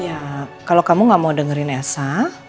ya kalau kamu gak mau dengerin elsa